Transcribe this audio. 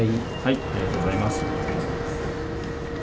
ありがとうございます。